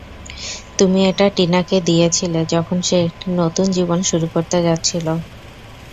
তুমি এটা টিনাকে দিয়েছিলে যখন সে একটি নতুন জীবন শুরু করতে যাচ্ছিলো।